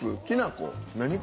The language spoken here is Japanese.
きな粉？